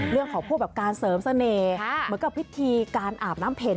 เรื่องของการเสริมเสนอเหมือนกับพฤติการอาบน้ำเพ็น